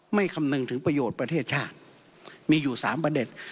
คำนึงถึงประโยชน์ประเทศชาติมีอยู่๓ประเด็น